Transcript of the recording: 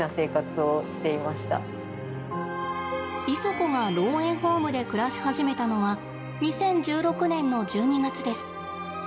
イソコが老猿ホームで暮らし始めたのは２０１６年の１２月です。